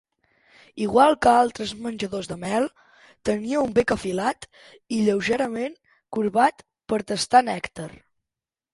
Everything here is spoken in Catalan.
Igual que altres menjadors de mel, tenia un bec afilat i lleugerament corbat per tastar nèctar.